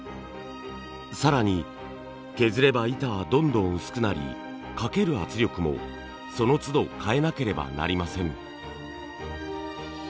更に削れば板はどんどん薄くなりかける圧力もそのつど変えなければなりません。